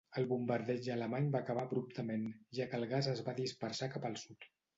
El bombardeig alemany va acabar abruptament, ja que el gas es va dispersar cap al sud.